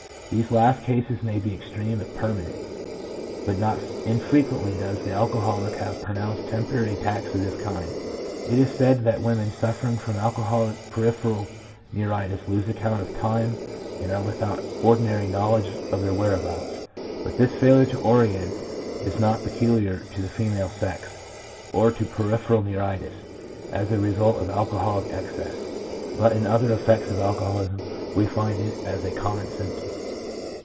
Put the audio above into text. These last cases may be extreme if permanent, but not infrequently does the alcoholic have pronounced temporary attacks of this kind. It is said that "women suffering from alcoholic peripheral neuritis lose account of time and are without ordinary knowledge of their where abouts." 1 But this failure to orientate is not peculiar to the female sex, or to peripheral neuritis as a result of alcoholic excess, but in other effects of alcoholism we find it as a common symptom.